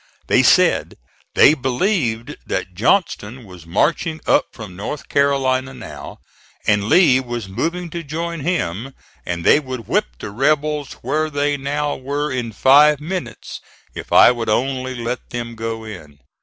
They said they believed that Johnston was marching up from North Carolina now, and Lee was moving to join him; and they would whip the rebels where they now were in five minutes if I would only let them go in.